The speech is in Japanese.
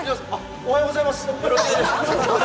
おはようございます。